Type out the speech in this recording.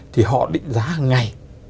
thì họ định giá hàng ngày